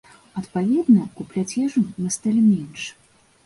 Адпаведна, купляць ежу мы сталі менш.